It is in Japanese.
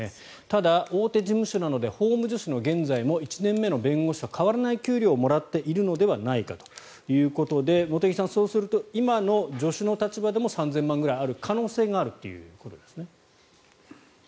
ただ、大手事務所なので法務助手の現在も１年目の弁護士と変わらない給料をもらっているのではないかということで茂木さん、そうすると今の助手の立場でも３０００万ぐらいある可能性があるということですね。